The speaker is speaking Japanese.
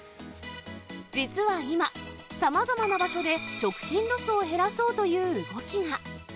実は今、さまざまな場所で、食品ロスを減らそうという動きが。